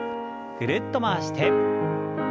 ぐるっと回して。